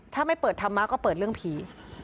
ถ้าไม่เปิดธรรมะก็เปิดเรื่องผี